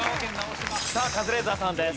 さあカズレーザーさんです。